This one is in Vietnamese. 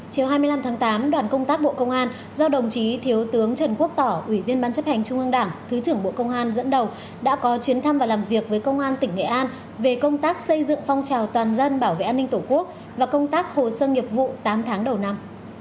chiều hai mươi năm tháng tám đoàn công tác bộ công an do đồng chí thiếu tướng trần quốc tỏ ủy viên ban chấp hành trung ương đảng thứ trưởng bộ công an dẫn đầu đã có chuyến thăm và làm việc với công an tỉnh nghệ an về công tác xây dựng phong trào toàn dân bảo vệ an ninh tổ quốc và công tác hồ sơ nghiệp vụ tám tháng đầu năm